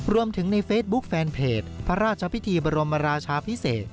รวมถึงในเฟซบุ๊คแฟนเพจพระราชพิธีบรมราชาพิเศษ